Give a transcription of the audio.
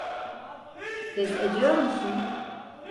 Pes ediyor musun?